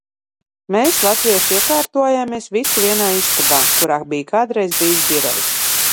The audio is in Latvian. Mēs latvieši iekārtojāmies visi vienā istabā – kurā bija kādreiz bijis birojs.